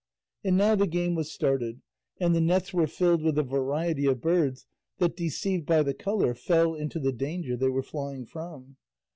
And now the game was started, and the nets were filled with a variety of birds that deceived by the colour fell into the danger they were flying from.